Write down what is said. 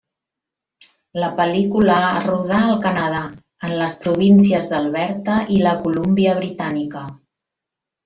La pel·lícula es rodà al Canadà, en les províncies d'Alberta i la Colúmbia Britànica.